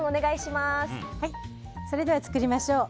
それでは作りましょう。